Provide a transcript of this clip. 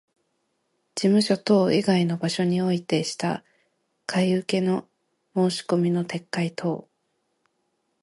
事務所等以外の場所においてした買受けの申込みの撤回等